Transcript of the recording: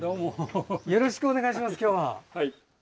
よろしくお願いします、今日は。